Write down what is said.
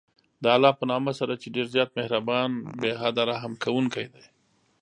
د الله په نامه سره چې ډېر زیات مهربان، بې حده رحم كوونكى دى.